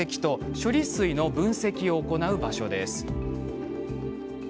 処理水の分析を行う場所です。